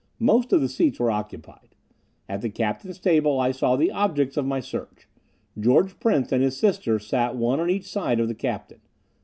Most of the seats were occupied. At the captain's table I saw the objects of my search. George Prince and his sister sat one on each side of the captain.